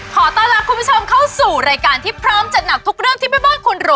ขอต้อนรับคุณผู้ชมเข้าสู่รายการที่พร้อมจำนับทุกเรื่องมา